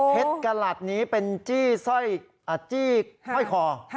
เพชรกระหลัดนี้เป็นจี้ซ่อยข้อยข่อ